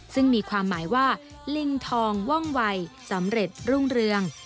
ซึ่งมีความหมายว่าลิงทองว่องวัยสำเร็จรุ่งเรือง